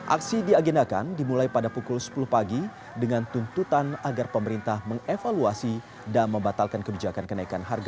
aksi diagendakan dimulai pada pukul sepuluh pagi dengan tuntutan agar pemerintah mengevaluasi dan membatalkan kebijakan kenaikan harga